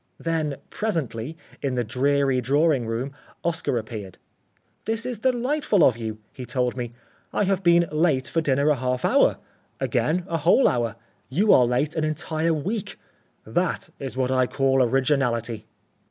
Then, presently, in the dreary drawing room, Oscar appeared. "This is delightful of you," he told me. "I have been late for dinner a half hour, again a whole hour; you are late an entire week. That is what I call originality."